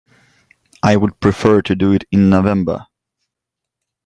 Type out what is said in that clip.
I would prefer to do it in November.